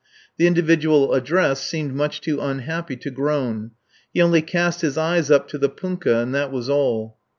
The individual addressed seemed much too unhappy to groan. He cast his eyes up to the punkah and that was all.